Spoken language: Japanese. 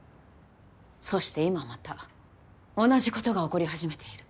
そして今また同じことが起こり始めている。